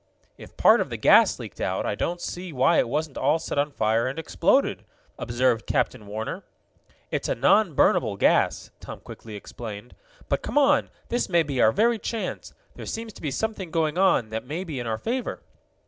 "If part of the gas leaked out I don't see why it wasn't all set on fire and exploded," observed Captain Warner. "It's a non burnable gas," Tom quickly explained. "But come on. This may be our very chance. There seems to be something going on that may be in our favor."